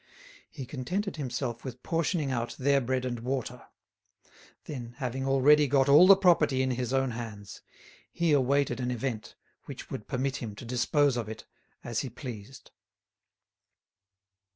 He contented himself with portioning out their bread and water. Then, having already got all the property in his own hands, he awaited an event which would permit him to dispose of it as he pleased.